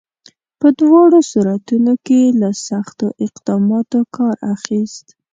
په دواړو صورتونو کې یې له سختو اقداماتو کار اخیست.